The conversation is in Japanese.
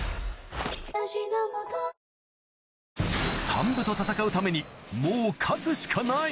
山武と戦うためにもう勝つしかない・